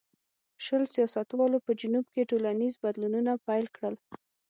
شل سیاستوالو په جنوب کې ټولنیز بدلونونه پیل کړل.